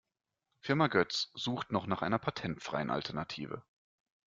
Firma Götz sucht noch nach einer patentfreien Alternative.